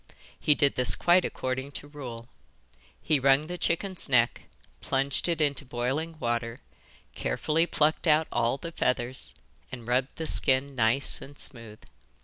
He did this quite according to rule. He wrung the chicken's neck, plunged it into boiling water, carefully plucked out all the feathers, and rubbed the skin nice and smooth.